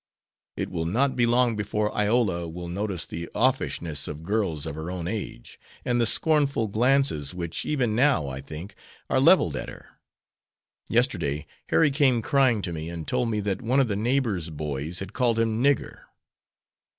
It will not be long before Iola will notice the offishness of girls of her own age, and the scornful glances which, even now, I think, are leveled at her. Yesterday Harry came crying to me, and told me that one of the neighbor's boys had called him 'nigger.'"